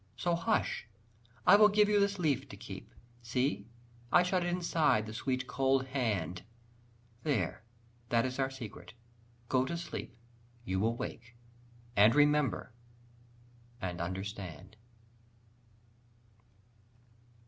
So, hush, I will give you this leaf to keep See, I shut it inside the sweet cold hand. There, that is our secret! go to sleep; You will wake, and remember, and understand.